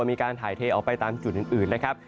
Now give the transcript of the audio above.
มีการถ่ายเทออกไปตามจุดอื่นนะครับ